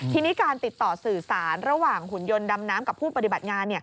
ทีนี้การติดต่อสื่อสารระหว่างหุ่นยนต์ดำน้ำกับผู้ปฏิบัติงาน